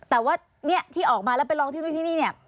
แต่ว่าเนี่ยที่ออกมาแล้วไปร้องที่นู่นที่นี่เนี่ย